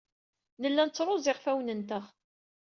Nella nettruẓu iɣfawen-nteɣ.